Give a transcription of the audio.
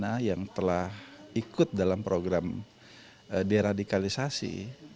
bencana yang telah ikut dalam program deradikalisasi